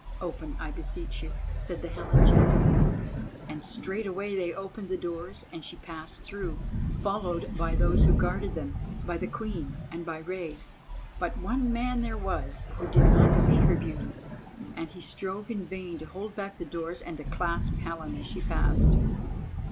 "Open, I beseech you," said the Helen gently, and straightway they opened the doors and she passed through, followed by those who guarded them, by the Queen, and by Rei. But one man there was who did not see her beauty, and he strove in vain to hold back the doors and to clasp Helen as she passed.